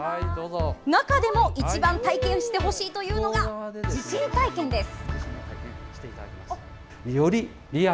中でも一番体験してほしいというのが地震体験です。